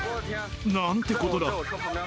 なんてことだ。